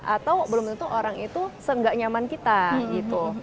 atau belum tentu orang itu se nggak nyaman kita gitu